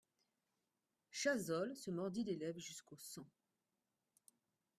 Chazolles se mordit les lèvres jusqu'au sang.